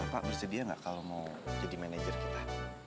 pak bersedia gak kalau mau jadi manajer kita